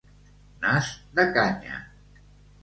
Nas de canya.